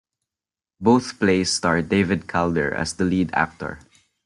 Both plays star David Calder as the lead actor.